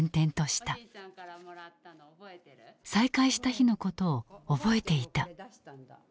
再会した日のことを覚えていた。